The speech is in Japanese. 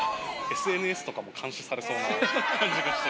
ＳＮＳとかも監視されそうな感じがして。